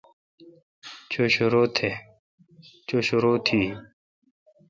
چو شرو تھی۔